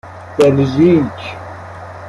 بلژیک